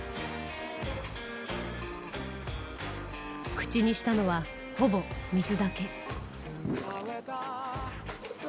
口にしたのは、ほぼ水だけ。